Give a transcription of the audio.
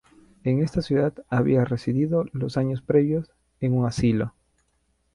En esta ciudad había residido los años previos en un asilo.